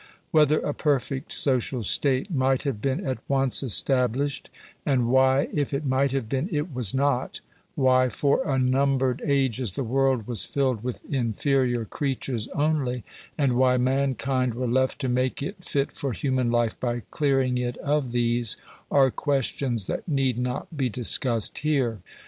Whether a | perfect social state might have been at once established ; and why, if it might have been, it was not — why for unnumbered ages the world was filled with inferior creatures only — and why mankind were left to make it fit for human life by clearing it of these — are questions that need not be discussed here.